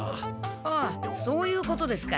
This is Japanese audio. ああそういうことですか。